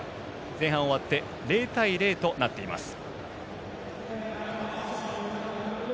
前半終わって０対０となっています。